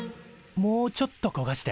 もうちょっとこがして。